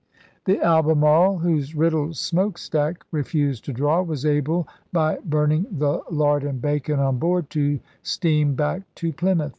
The Albemarle, whose riddled smoke stack re fused to draw, was able, by burning the lard and bacon on board, to steam back to Plymouth.